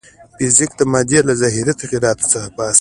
فزیک د مادې له ظاهري تغیراتو څخه بحث کوي.